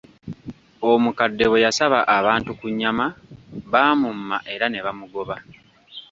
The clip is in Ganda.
Omukadde bwe yasaba abantu ku nnyama, baamumma era ne bamugoba.